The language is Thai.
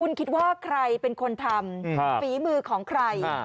คุณคิดว่าใครเป็นคนทำฝีมือของใคร